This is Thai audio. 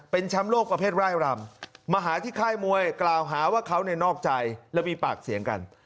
เป็นแชมป์โลกประเภทไร่รำมาหาที่ค่ายมวยกล่าวหาว่าเขาเนี่ยนอกใจแล้วมีปากเสียงกัน